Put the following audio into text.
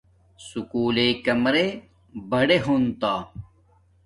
سکُول لݵ کمرے بڑے ہونتا